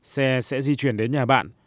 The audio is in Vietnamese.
xe sẽ di chuyển đến nhà bạn